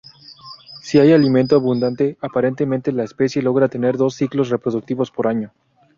Si hay alimento abundante, aparentemente la especie logra tener dos ciclos reproductivos por año.